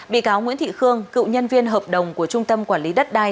bị cáo nguyễn thị khương cựu nhân viên hợp đồng của trung tâm quản lý đất đai